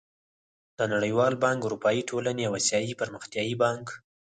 د نړېوال بانک، اروپايي ټولنې او اسيايي پرمختيايي بانک